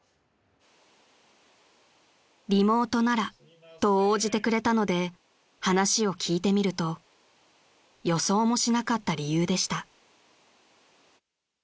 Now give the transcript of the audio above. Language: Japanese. ［リモートならと応じてくれたので話を聞いてみると予想もしなかった理由でした］